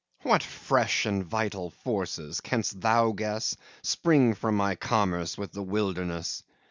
FAUST What fresh and vital forces, canst thou guess, Spring from my commerce with the wilderness?